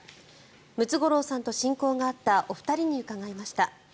ムツゴロウさんと親交があったお二人に伺いました。